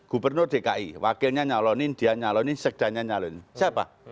gubernur dki wakilnya nyalonin dia nyalonin sekdanya nyalonin siapa